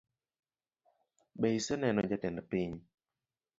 Be ise neno jatend piny?